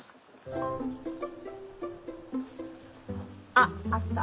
ああった。